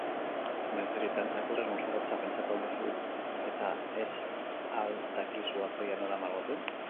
Inauterietan txakurrez mozorrotzea pentsatu al duzu eta ez al dakizuaurpegia nola margotu?